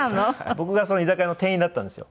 僕がその居酒屋の店員だったんですよ。